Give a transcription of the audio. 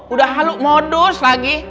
udah halu modus lagi